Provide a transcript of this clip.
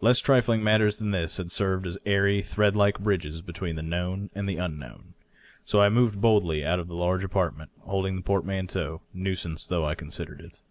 Less trifling matters than this had served as airy thread like bridges between the known and the unknown. So I moved boldly out into the large apartment^ holding the portmanteau^ nuisance though I considered it.